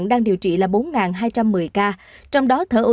đà nẵng một hai trăm chín mươi bảy